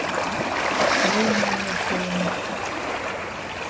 No man no tell me.